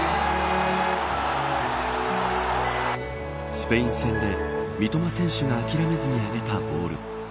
スペイン戦で三笘選手が諦めずに上げたボール。